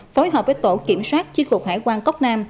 phối hợp với tổ kiểm soát chuyên khuộc hải quan cốc nam